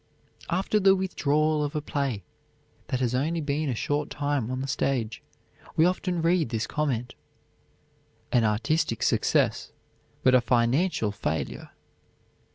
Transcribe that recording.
After the withdrawal of a play that has been only a short time on the stage, we often read this comment, "An artistic success, but a financial failure."